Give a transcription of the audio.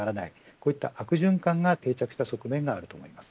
こういった悪循環が定着した側面があります。